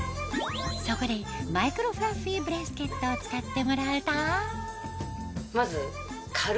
そこでマイクロフラッフィーブレスケットを使ってもらうとまず。